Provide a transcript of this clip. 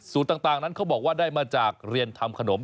ต่างนั้นเขาบอกว่าได้มาจากเรียนทำขนม